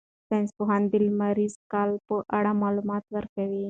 ساینس پوهان د لمریز کال په اړه معلومات ورکوي.